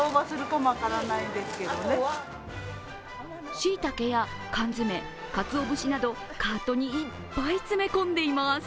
しいたけや缶詰、鰹節などカートにいっぱい詰め込んでいます。